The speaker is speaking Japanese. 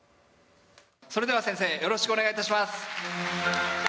それでは先生、よろしくお願いします。